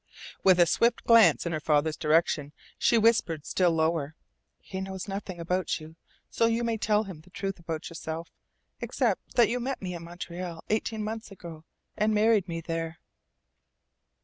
With a swift glance in her father's direction she whispered still lower: "He knows nothing about you, so you may tell him the truth about yourself except that you met me in Montreal eighteen months ago, and married me there."